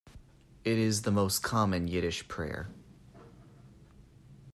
It is the most common Yiddish prayer.